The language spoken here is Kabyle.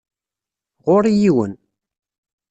Ɣur-i yiwen.